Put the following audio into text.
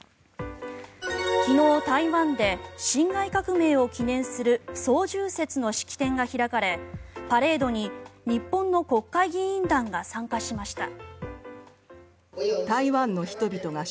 昨日、台湾で辛亥革命を記念する双十節の式典が開かれパレードに日本の国会議員団が参加しました。